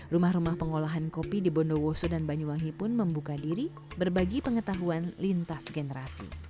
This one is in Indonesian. rumah rumah pengolahan kopi di bondowoso dan banyuwangi pun membuka diri berbagi pengetahuan lintas generasi